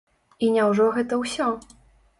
І няўжо гэта ўсё?